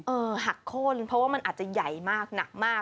หักโค้นเพราะว่ามันอาจจะใหญ่มากหนักมาก